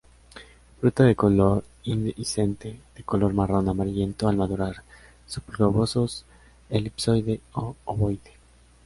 Fruta de color, indehiscente, de color marrón amarillento al madurar, subglobosos, elipsoide o obovoide.